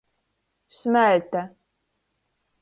Smeļte.